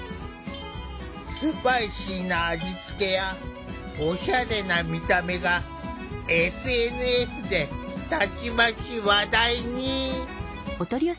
スパイシーな味付けやオシャレな見た目がＳＮＳでたちまち話題に。